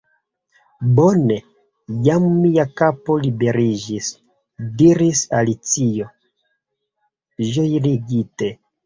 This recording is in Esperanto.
"Bone! Jam mia kapo liberiĝis," diris Alicio, ĝojigite.